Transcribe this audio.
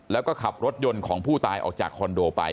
แล้วก็ขับรถยนต์ของผู้ตายออกจากคอนโดไป